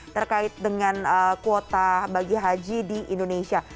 terkait dengan kuota bagi haji di indonesia